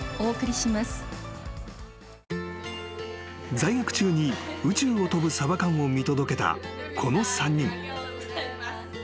［在学中に宇宙を飛ぶサバ缶を見届けたこの３人］